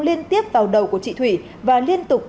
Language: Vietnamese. liên tiếp vào đầu của chị thủy và liên tục